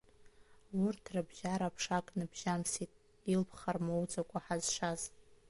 Урҭ рыбжьара ԥшак ныбжьамсит, илԥха рмоуӡакәа ҳазшаз.